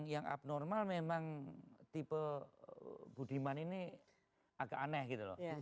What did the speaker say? yang abnormal memang tipe budiman ini agak aneh gitu loh